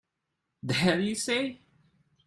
The hell you say!